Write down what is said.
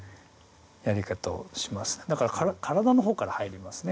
だから体の方から入りますね。